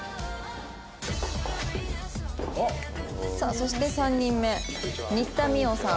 さあそして３人目新田ミオさん。